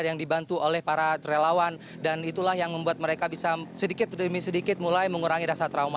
yang dibantu oleh para relawan dan itulah yang membuat mereka bisa sedikit demi sedikit mulai mengurangi rasa trauma